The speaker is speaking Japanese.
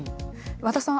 和田さん